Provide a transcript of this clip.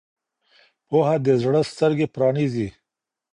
پوهه د زړه سترګې پرانیزي.